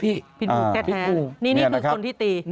นี่คือคนที่ตี